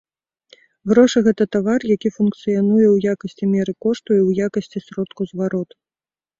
Грошы гэта тавар, які функцыянуе ў якасці меры кошту і ў якасці сродку звароту.